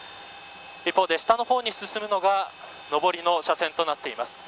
一方で、下の方に進むのが上りの車線となっています。